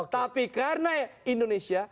tapi karena indonesia